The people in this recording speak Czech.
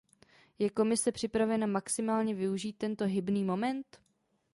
Je Komise připravena maximálně využít tento hybný moment?